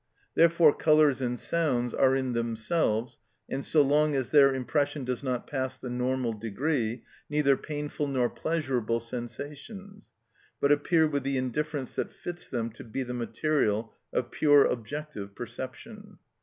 Therefore colours and sounds are in themselves, and so long as their impression does not pass the normal degree, neither painful nor pleasurable sensations, but appear with the indifference that fits them to be the material of pure objective perception.